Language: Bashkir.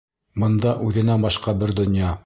Бында үҙенә башҡа бер донъя.